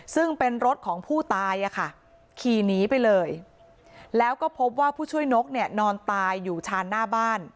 ซึ่งเป็นรถของผู้ตายขี่หนีไปเลยแล้วก็พบว่าผู้ช่วยนกเนี่ยนอนตายอยู่ชานหน้าบ้าน